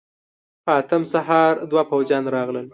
په اتم سهار دوه پوځيان راغلل.